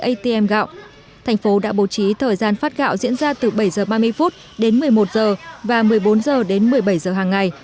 atm gạo thành phố đã bố trí thời gian phát gạo diễn ra từ bảy h ba mươi đến một mươi một h và một mươi bốn h đến một mươi bảy h hàng ngày